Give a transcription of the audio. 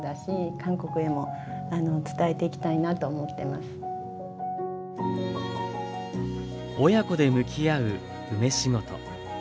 私なりに親子で向き合う梅仕事。